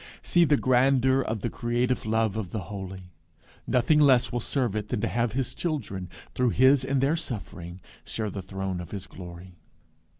See the grandeur of the creative love of the Holy! nothing less will serve it than to have his children, through his and their suffering, share the throne of his glory!